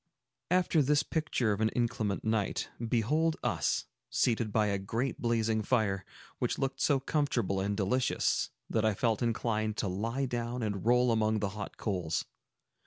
After this picture of an inclement night, behold us seated by a great blazing fire, which looked so comfortable and delicious that I felt inclined to lie down and roll among the hot coals.